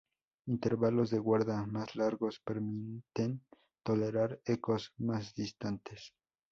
Intervalos de guarda más largos, permiten tolerar ecos más distantes.